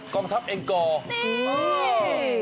กองทัพเองกรนี่